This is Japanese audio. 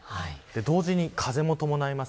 同時に風も伴います。